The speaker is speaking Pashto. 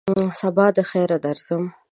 سبا دخیره درځم !